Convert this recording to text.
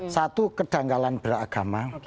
satu kedanggalan beragama